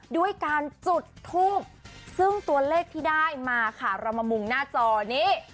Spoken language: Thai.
ด้วยการจุดทูบซึ่งตัวเลขที่ได้มาค่ะเรามามุงหน้าจอนี้